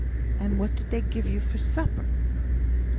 and what did they give you for supper?"